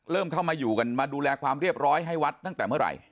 เริ่มเข้ามาอยู่กันมาดูแลความเรียบร้อยให้วัดตั้งแต่เมื่อไหร่